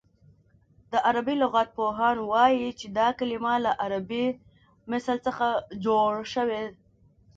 د عربي لغت پوهان وايي چې دا کلمه له عربي مثل څخه جوړه شوې